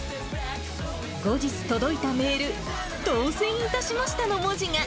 後日、届いたメール、当せんいたしましたの文字が。